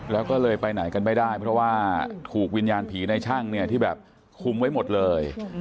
แล้วก็เลยไปไหนกันไม่ได้เพราะว่าถูกวิญญาณผีในช่างเนี่ยที่แบบคุมไว้หมดเลย